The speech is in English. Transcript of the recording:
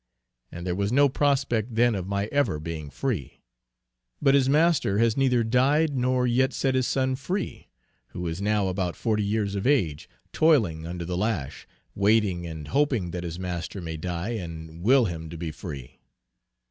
and there was no prospect then of my ever being free. But his master has neither died nor yet set his son free, who is now about forty years of age, toiling under the lash, waiting and hoping that his master may die and will him to be free.